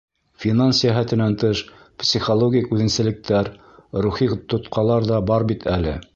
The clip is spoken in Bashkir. Финанс йәһәтенән тыш, психологик үҙенсәлектәр, рухи тотҡалар ҙа бар бит әле.